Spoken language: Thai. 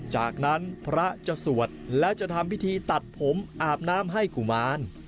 จากนั้นพระจะสวดและจะทำพิธีตัดผมอาบน้ำให้กุมาร